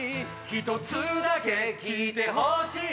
一つだけ聞いてほしい